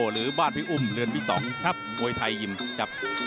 หรือบ้านพี่อุ้มเรือนที่๒ครับมวยไทยยิมครับ